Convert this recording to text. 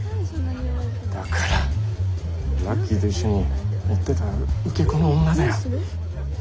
だからラッキーと一緒に追ってた受け子の女だよ。